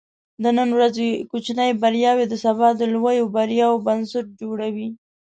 د نن ورځې کوچني بریاوې د سبا د لویو بریاوو بنسټ جوړوي.